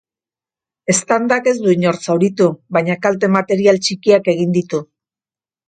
Eztandak ez du inor zauritu, baina kalte-material txikiak egin ditu.